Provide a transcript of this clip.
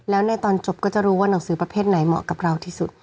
แล้วในตอนจบก็จะรู้ว่าหนังสือประเภทไหนเหมาะกับเราที่สุด